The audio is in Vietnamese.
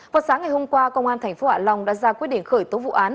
vào sáng ngày hôm qua công an tp hcm đã ra quyết định khởi tố vụ án